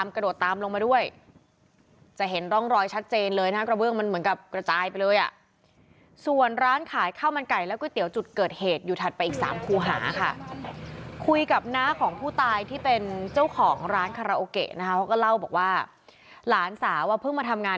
ของร้านคาราโอเกนะคะก็เล่าบอกว่าหลานสาวเพิ่งมาทำงาน